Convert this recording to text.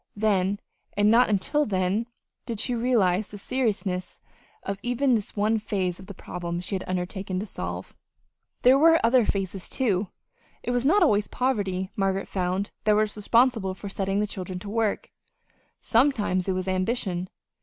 Then, and not until then, did she realize the seriousness of even this one phase of the problem she had undertaken to solve. There were other phases, too. It was not always poverty, Margaret found, that was responsible for setting the children to work. Sometimes it was ambition.